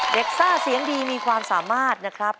ซ่าเสียงดีมีความสามารถนะครับ